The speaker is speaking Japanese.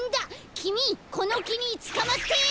きみこのきにつかまって！